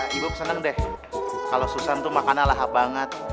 ibob seneng deh kalau susan tuh makannya lahap banget